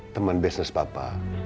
temen bisnis papa